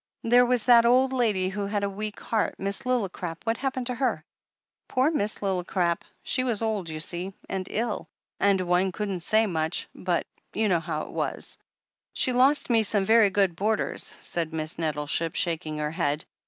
"There was that old lady who had a weak heart — Miss Lillicrap — what happened to her?" "Poor Miss Lillicrap ! She was old, you see, and ill, and one couldn't say much — but you know how it was. She lost me some very good boarders," said Miss Net tleship, shaking her head.